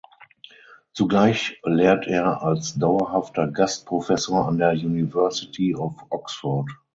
Zugleich lehrt er als dauerhafter Gastprofessor an der University of Oxford.